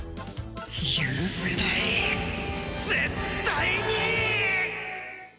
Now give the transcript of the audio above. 許せない絶対に！